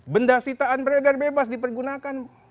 benda sitaan beredar bebas dipergunakan